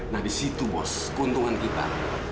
nah disitu bos keuntungan kita